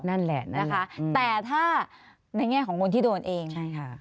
นั่นแหละนะคะแต่ถ้าในแง่ของคนที่โดนเองใช่ค่ะ